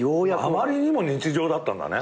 あまりにも日常だったんだね。